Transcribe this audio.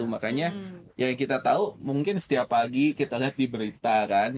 makanya ya kita tahu mungkin setiap pagi kita lihat di berita kan